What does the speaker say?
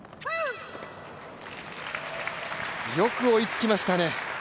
よく追いつきましたね。